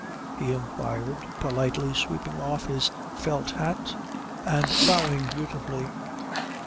he inquired, politely sweeping off his felt hat and bowing beautifully.